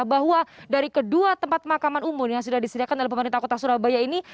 bahwa dari kedua tempat pemakaman umum yang sudah disediakan oleh pemerintah kota surabaya ini